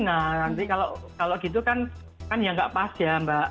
nah nanti kalau gitu kan kan ya nggak pas ya mbak